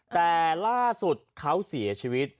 แต่ล่าสุดเขาเสียชีวิต